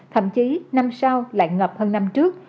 thậm chí năm sau lại ngập hơn năm trước